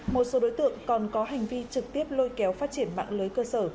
một số đối tượng còn có hành vi trực tiếp lôi kéo phát triển mạng lưới cơ sở